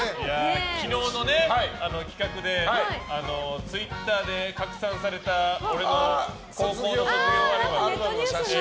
昨日の企画でツイッターで拡散された俺の高校の卒業アルバムの写真。